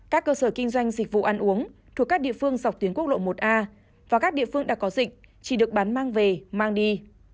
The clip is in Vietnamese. các cơ sở kinh doanh dịch vụ ăn uống thuộc các địa phương dọc tuyến quốc lộ một a và các địa phương đã có dịch chỉ được bán mang về mang đi